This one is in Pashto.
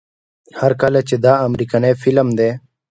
هر کله چې دا امريکنے فلم دے